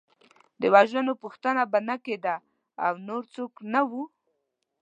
د وژنو پوښتنه به نه کېده او نور څوک نه وو.